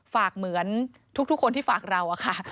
เหมือนทุกคนที่ฝากเราอะค่ะ